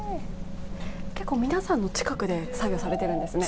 結構、皆さんの近くで作業されているんですね。